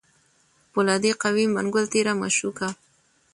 پولادي قوي منګول تېره مشوکه